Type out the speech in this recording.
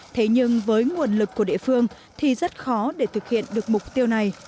thế nhưng với nguồn lực của địa phương thì rất khó để thực hiện được mục tiêu này